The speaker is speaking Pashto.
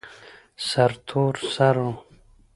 سرتور سر و.